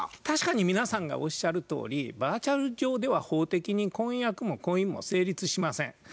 確かに皆さんがおっしゃるとおりバーチャル上では法的に婚約も婚姻も成立しません。